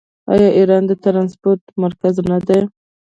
آیا ایران د ټرانسپورټ مرکز نه دی؟